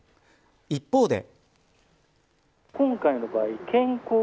一方で。